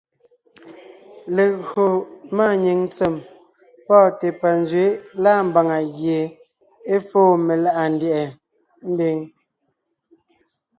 Légÿo máanyìŋ ntsèm pɔ́ɔnte panzwɛ̌ lâ mbàŋa gie é fóo meláʼa ndyɛ̀ʼɛ mbiŋ.